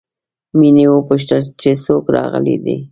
مينې وپوښتل چې څوک راغلي دي